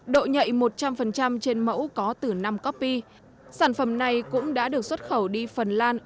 độ nhạy một trăm linh trên mẫu có từ năm copy sản phẩm này cũng đã được xuất khẩu đi phần lan